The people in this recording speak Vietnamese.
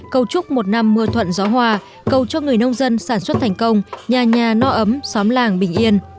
cầu chúc một năm mưa thuận gió hòa cầu cho người nông dân sản xuất thành công nhà nhà no ấm xóm làng bình yên